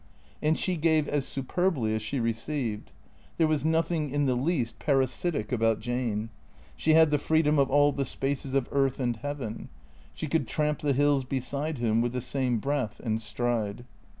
And she gave as superbly as she re ceived. There was nothing in the least parasitic about Jane. She had the freedom of all the spaces of earth and heaven. She could tramp the hills beside him with the same breath and stride.